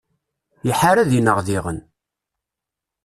Iḥar ad inaɣ diɣen.